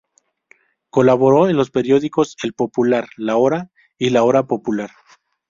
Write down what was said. Colaboró en los periódicos El Popular, La Hora y La Hora Popular.